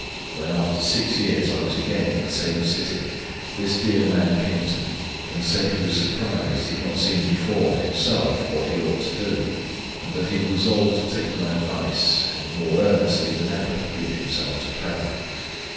Now, when after six years I was again in the same city, this dear man came to me and said he was surprised he had not seen before himself what he ought to do, and that he had resolved to take my advice and more earnestly than ever give himself to prayer.